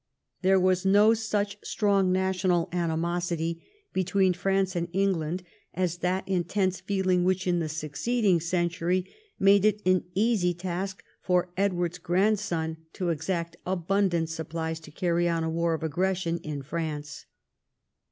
There was no such strong national animosity between France and England as that intense feeling which, in the succeeding century, made it an easy task for Edward's grandson to exact abundant supplies to carry on a war of aggression in France.